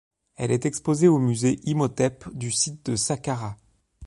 Elle est exposée au Musée Imhotep du site de Saqqarah.